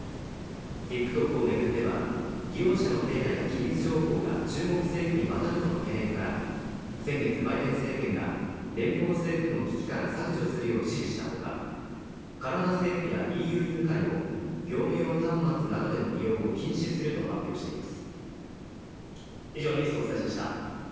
ＴｉｋＴｏｋを巡っては利用者のデータや機密情報が中国政府にわたるとの懸念から、先月バイデン政権が連邦政府の機器から削除するよう指示したほか、カナダ政府やＥＵ委員会も業務用端末などでの利用を禁止すると発表しています。